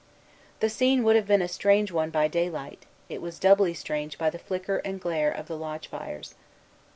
The scene would have been a strange one by daylight: it was doubly strange by the flicker and glare of the lodge fires.